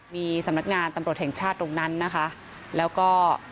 มีสำนักงานตำรวจแห่งชาติตรงนั้นนะคะแล้วก็